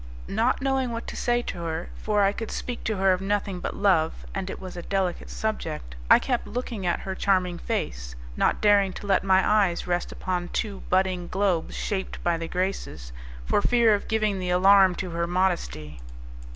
Not knowing what to say to her, for I could speak to her of nothing but love and it was a delicate subject I kept looking at her charming face, not daring to let my eyes rest upon two budding globes shaped by the Graces, for fear of giving the alarm to her modesty.